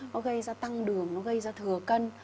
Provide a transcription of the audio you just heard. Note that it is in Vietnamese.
nó gây ra tăng đường nó gây ra thừa cân